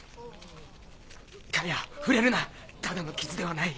カヤ触れるなただの傷ではない。